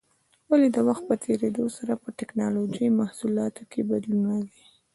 ولې د وخت په تېرېدو سره په ټېکنالوجۍ محصولاتو کې بدلون راځي؟